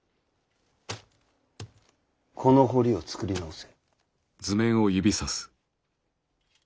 この堀を作り直せ。